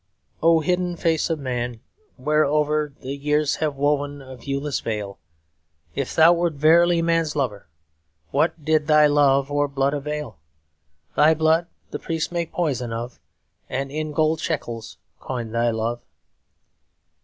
O, hidden face of man, whereover The years have woven a viewless veil, If thou wert verily man's lover What did thy love or blood avail? Thy blood the priests make poison of; And in gold shekels coin thy love.